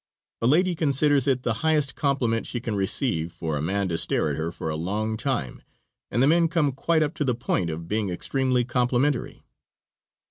A lady considers it the highest compliment she can receive for a man to stare at her for a long time, and the men come quite up to the point of being extremely complimentary.